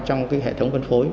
trong hệ thống phân phối